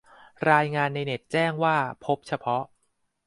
รายงานในเน็ตแจ้งว่าพบเฉพาะ